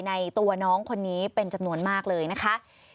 ในตัวน้องคนนี้เป็นจำนวนมากเลยนะคะ